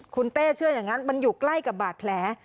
คุณเต้เชื่ออย่างนั้นมันอยู่ใกล้กับบาดแผล